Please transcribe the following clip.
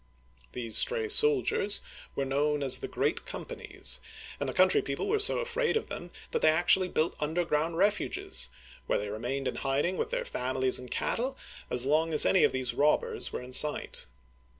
These stray soldiers were known as the Great Com panies, and the country people were so afraid of them that they actually built underground refuges, where they remained in hiding with their families and cattle as long as any of these robbers were in sight.